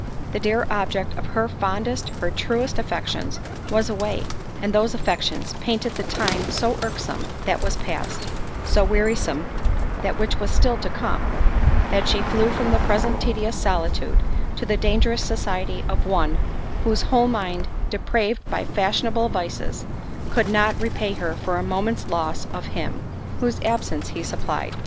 The dear object of her fondest, her truest affections, was away; and those affections, painted the time so irksome that was past; so wearisome, that, which was still to come; that she flew from the present tedious solitude, to the dangerous society of one, whose whole mind depraved by fashionable vices, could not repay her for a moment's loss of him, whose absence he supplied.